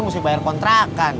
mesti bayar kontrakan